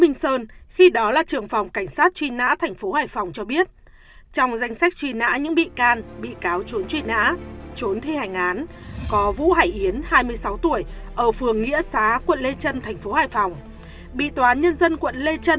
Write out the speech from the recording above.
hãy đăng ký kênh để ủng hộ kênh của mình nhé